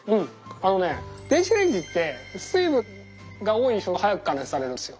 あのね電子レンジって水分が多い食材ほど早く加熱されるんですよ。